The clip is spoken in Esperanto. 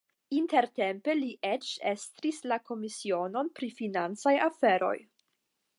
Intertempe li eĉ estris la komisiononon pri financaj aferoj.